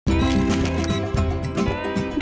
โปรดติดตามตอนต่อไป